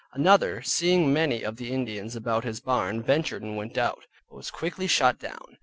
Another, seeing many of the Indians about his barn, ventured and went out, but was quickly shot down.